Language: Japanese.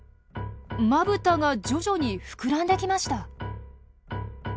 まぶたが徐々に膨らんできました。